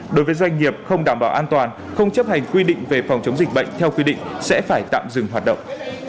đối với doanh nghiệp không đảm bảo an toàn không chấp hành quy định về phòng chống dịch bệnh theo quy định sẽ phải tạm dừng hoạt động